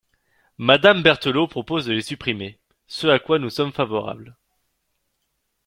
Madame Berthelot propose de les supprimer, ce à quoi nous sommes favorables.